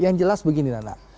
yang jelas begini nana